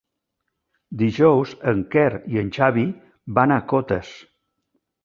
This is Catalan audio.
Dijous en Quer i en Xavi van a Cotes.